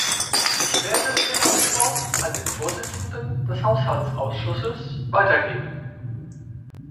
Ich werde Ihre Antwort an den Vorsitzenden des Haushaltsausschusses weitergeben.